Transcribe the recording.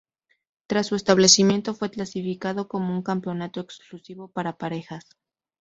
Tras su establecimiento, fue clasificado como un campeonato exclusivo para parejas.